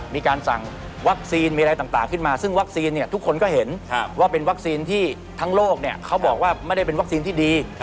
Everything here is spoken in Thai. มีการสั่งวัคซีนมีอะไรต่างขึ้นมาซึ่งวัคซีนทุกคนก็เห็นว่าเป็นวัคซีนที่ทั้งโลกเขาบอกว่าไม่ได้เป็นวัคซีนที่ดี